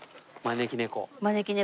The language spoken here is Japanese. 招き猫。